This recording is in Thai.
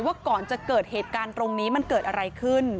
ว่าก่อนจะเกิดเหตุการณ์ตรงนี้มันเกิดอะไรขึ้น